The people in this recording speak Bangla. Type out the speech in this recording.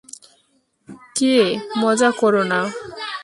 কে, মজা করো না।